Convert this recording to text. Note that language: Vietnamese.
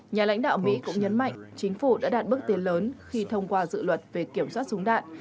nhà lãnh đạo mỹ cũng nhấn mạnh chính phủ đã đạt bước tiến lớn khi thông qua dự luật về kiểm soát súng đạn